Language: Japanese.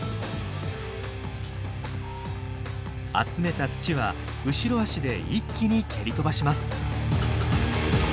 集めた土は後ろ足で一気に蹴り飛ばします。